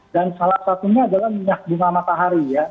dan salah satunya adalah minyak bunga matahari ya